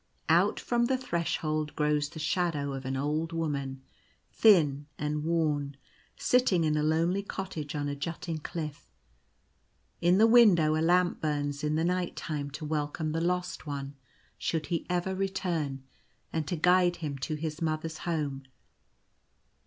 Out from the Threshold grows the shadow of an old woman, thin and worn, sitting in a lonely cottage on a jutting cliff. In the window a lamp burns in the night time to welcome the Lost One should he ever return, and to guide him to his Mother's home.